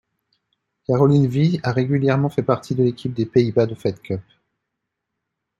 Caroline Vis a régulièrement fait partie de l'équipe des Pays-Bas de Fed Cup.